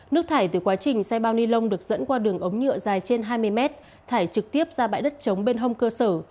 nước thải từ quá trình xây bao ni lông được dẫn qua đường ống nhựa dài trên hai mươi mét thải trực tiếp ra bãi đất chống bên hông cơ sở